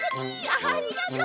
ありがとう。